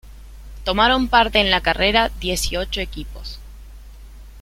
Tomaron parte en la carrera dieciocho equipos.